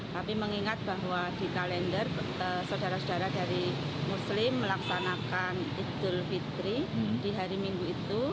tapi mengingat bahwa di kalender saudara saudara dari muslim melaksanakan idul fitri di hari minggu itu